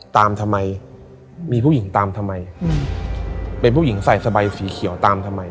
ทำไมมีผู้หญิงตามทำไมเป็นผู้หญิงใส่สบายสีเขียวตามทำไม